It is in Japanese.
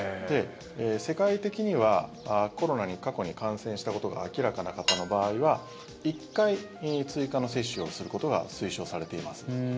世界的にはコロナに過去に感染したことが明らかな方の場合は１回追加の接種をすることが推奨されています。